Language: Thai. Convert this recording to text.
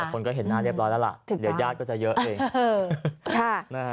คนก็เห็นหน้าเรียบร้อยแล้วล่ะเดี๋ยวญาติก็จะเยอะเอง